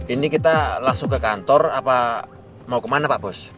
ini kita langsung ke kantor apa mau kemana pak bos